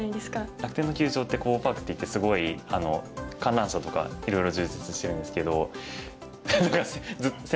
楽天の球場ってＫｏｂｏパークっていってすごい観覧車とかいろいろ充実してるんですけど。